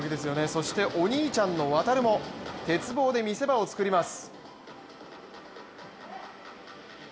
そしてお兄ちゃんの航も鉄棒で見せ場を作ります。